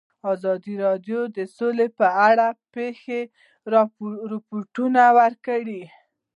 ازادي راډیو د سوله په اړه د پېښو رپوټونه ورکړي.